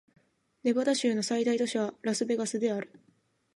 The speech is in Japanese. ネバダ州の最大都市はラスベガスである